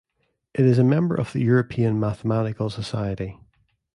It is a member of the European Mathematical Society.